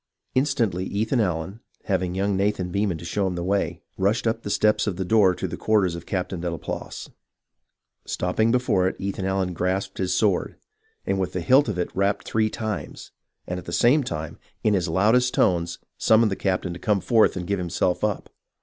Instantly, Ethan Allen, having young Nathan Beman show him the way, rushed up the steps to the door of the quarters of Captain Delaplace. Stopping before it Ethan Allen grasped his sword, and with the hilt of it rapped three times, and at the same time, in his loudest tones, summoned the captain to come forth and give himself up.